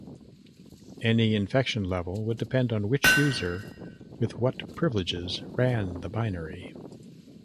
Any infection level would depend on which user with what privileges ran the binary.